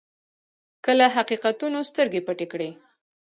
که له حقیقتونو سترګې پټې کړئ.